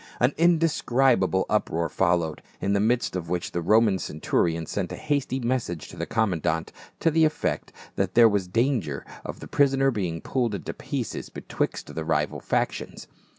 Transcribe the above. An indescribable uproar followed, in the midst of which the Roman centurion sent a hasty message to the commandant, to the effect that there was danger of the prisoner being pulled in pieces betwi.xt the rival factions.